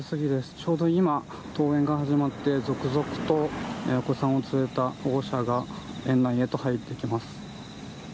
ちょうど今、登園が始まって続々とお子さんを連れた保護者が園内へと入っていきます。